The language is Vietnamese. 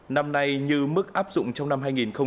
năm nay như mức áp dụng trong năm hai nghìn hai mươi